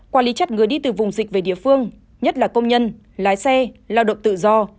quản lý chặt người đi từ vùng dịch về địa phương nhất là công nhân lái xe lao động tự do